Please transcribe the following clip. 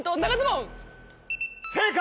正解！